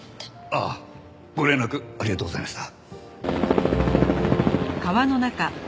あっご連絡ありがとうございました。